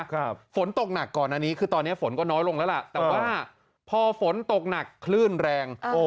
ฝนตกหนักก่อนอันนี้คือตอนเนี้ยฝนก็น้อยลงแล้วล่ะแต่ว่าพอฝนตกหนักคลื่นแรงโอ้